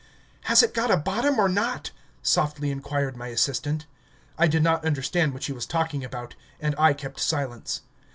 "Has it got a bottom or not?" softly inquired my assistant. I did not understand what she was talking about, and I kept silence.